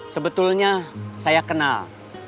sebetulnya saya kenal